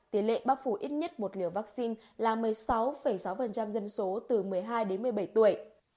tỷ lệ bao phủ ít nhất một liều vắc xin là một mươi sáu sáu dân số từ một mươi hai một mươi bảy tuổi